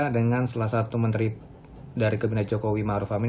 dengan salah satu menteri dari kabinet jokowi marufamin